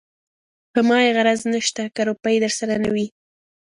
په ما يې غرض نشته که روپۍ درسره نه وي.